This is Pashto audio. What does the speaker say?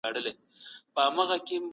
د نورو په عيبونو پلټنه مه کوئ.